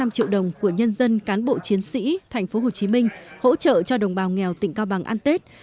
ba trăm linh triệu đồng của nhân dân cán bộ chiến sĩ tp hcm hỗ trợ cho đồng bào nghèo tỉnh cao bằng ăn tết